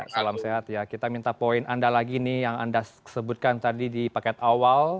salam sehat ya kita minta poin anda lagi nih yang anda sebutkan tadi di paket awal